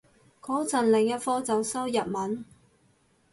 個陣另一科就修日文